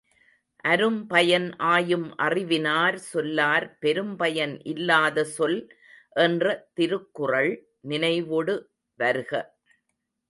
அரும்பயன் ஆயும் அறிவினார் சொல்லார் பெரும்பயன் இல்லாத சொல் என்ற திருக்குறள் நினைவொடு வருக!